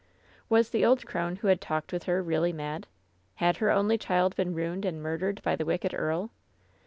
Was the old crone who had talked with her really mad ? Had her only child been ruined and murdered by the wicked earl